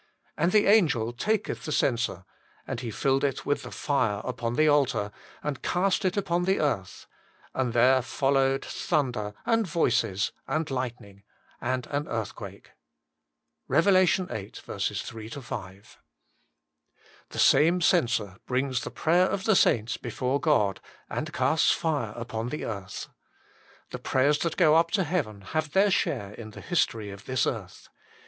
And the angel taketh the censer; and he filled it with the fire upon the altar, and cast it upon the earth : and there followed thunder, and voices, and lightning, and an earthquake." REV. viii. 3 5. The same censer brings the prayer of the saints before God and casts fire upon the earth. The prayers that go up to heaven have their share in the history of this earth.